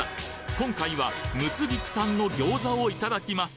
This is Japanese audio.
今回はむつぎくさんの餃子をいただきます